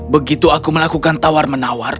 begitu aku melakukan tawar menawar